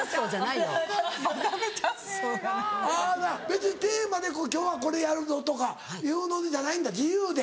別にテーマで今日はこれやるぞとかいうのじゃないんだ自由で。